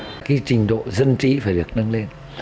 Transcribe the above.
cái trình độ dân trí phải được nâng lên